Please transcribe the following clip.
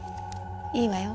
いいわよ。